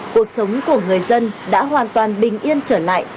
cuộc sống của người dân đã hoàn toàn bình yên trở lại